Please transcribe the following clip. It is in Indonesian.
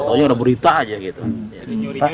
taunya ada berita aja gitu